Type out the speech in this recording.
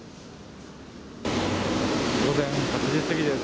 午前８時過ぎです。